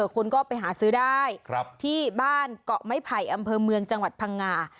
คนก็ไปหาซื้อได้ที่บ้านเกาะไม้ไผ่อำเภอเมืองจังหวัดพังงา